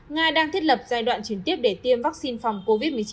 nga đang thiết lập giai đoạn chuyển tiếp để tiêm vaccine phòng covid một mươi chín